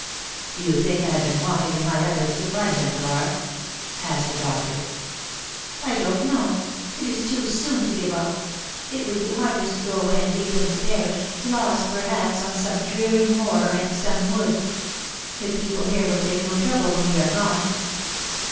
" Do you think I have been wanting in my efforts to find him, Flora ?" asked the doctor. " I don't know; it is too soon to give up ; it would be heart less to go away aud leave him to perish, lost perhaps on some dreary moor or in some wood. The people here will take no trouble when we are gone."